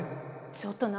ちょっと何？